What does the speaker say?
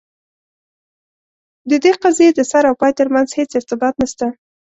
د دې قضیې د سر او پای ترمنځ هیڅ ارتباط نسته.